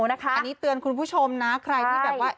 อันนี้เตือนคุณผู้ชมนะใครที่แบบว่า